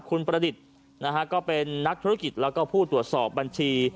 คุณประดิษฐ์นะฮะก็เป็นนักธุรกิจแล้วก็ผู้ตรวจสอบบัญชี